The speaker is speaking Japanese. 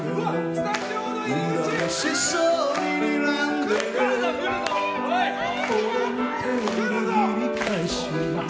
スタジオの入り口！